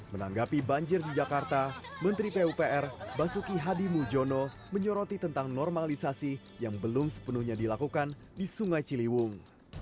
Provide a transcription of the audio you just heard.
menanggapi banjir di jakarta menteri pupr basuki hadi mujono menyoroti tentang normalisasi yang belum sepenuhnya dilakukan di sungai ciliwung